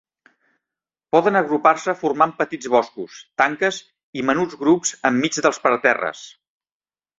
Poden agrupar-se formant petits boscos, tanques i menuts grups enmig dels parterres.